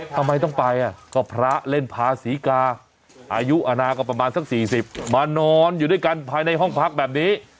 ทำไมต้องไปก็พระเล่นพาศรีกาอายุอนาก็ประมาณสัก๔๐มานอนอยู่ด้วยกันภายในห้องพักแบบนี้